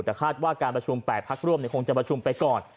แต่คาดว่าการประชุม๘พักร่วมคงจะประชุมไปก่อน